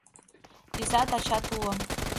Изат, ачат уло.